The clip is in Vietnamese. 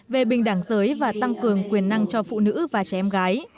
về bình đẳng giới và tăng cường quyền năng cho phụ nữ và trẻ em gái